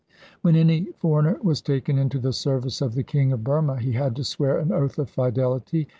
When any foreigner was taken into the service of the King of Burma he had to swear an oath of fidelity.